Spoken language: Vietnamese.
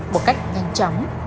một cách nhanh chóng